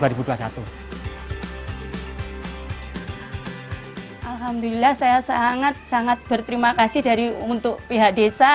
alhamdulillah saya sangat sangat berterima kasih untuk pihak desa